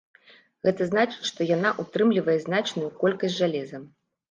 Гэта значыць, што яна ўтрымлівае значную колькасць жалеза.